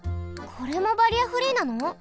これもバリアフリーなの？